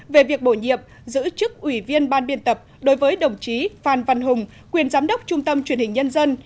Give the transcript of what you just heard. về việc bổ nhiệm giữ chức ủy viên ban biên tập đối với đồng chí phan văn hùng quyền giám đốc trung tâm truyền hình nhân dân